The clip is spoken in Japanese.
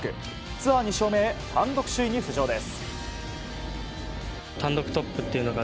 ツアー２勝目へ単独首位へ浮上です。